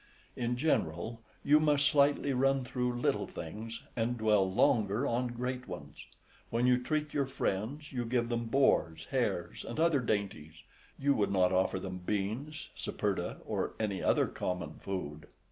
In general, you must slightly run through little things, and dwell longer on great ones. When you treat your friends, you give them boars, hares, and other dainties; you would not offer them beans, saperda, {66a} or any other common food.